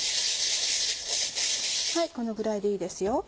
このぐらいでいいですよ。